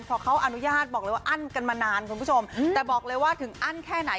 เพราะเขาอนุญาตบอกเลยว่าอั้นกันมานานคุณผู้ชมแต่บอกเลยว่าถึงอั้นแค่ไหน